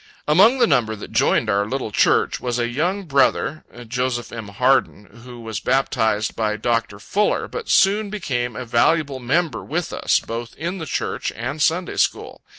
Among the number that joined our little church, was a young brother, Jos. M. Harden, who was baptized by Dr. Fuller, but soon became a valuable member with us, both in the church and Sunday school.